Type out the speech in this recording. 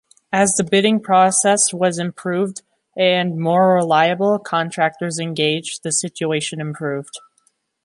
As the bidding process was improved, and more reliable contractors engaged, the situation improved.